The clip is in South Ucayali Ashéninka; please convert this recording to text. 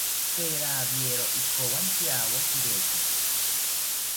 Tee rawiero ikowantyawo kireki